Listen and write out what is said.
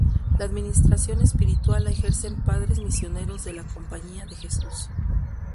La administración espiritual la ejercen padres misioneros de la Compañía de Jesús.